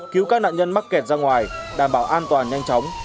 cứu các nạn nhân mắc kẹt ra ngoài đảm bảo an toàn nhanh chóng